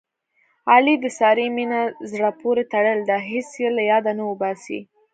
علي د سارې مینه زړه پورې تړلې ده. هېڅ یې له یاده نه اوباسي.